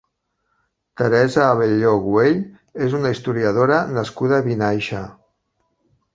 Teresa Abelló Güell és una historiadora nascuda a Vinaixa.